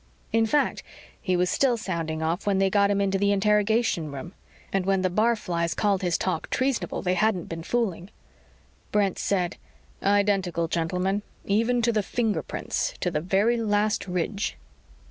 In fact, he was still sounding off when they got him into the interrogation room. And when the barflies called his talk treasonable, they hadn't been fooling. Brent said, "Identical, gentlemen, even to the finger prints; to the very last ridge."